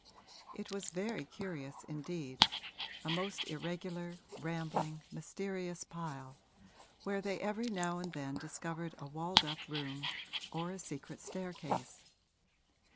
It was very curious indeed a most irregular, rambling, mysterious pile, where they every now and then discovered a walled up room or a secret staircase.